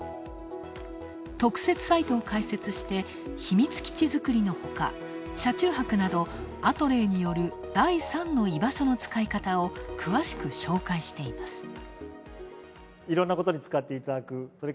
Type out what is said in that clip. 特設サイトを開設して、秘密基地づくりのほか、車中泊などアトレーによる第３の居場所の使い方を詳しく紹介しています。